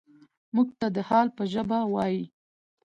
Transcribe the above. موږ ته د حال په ژبه وايي.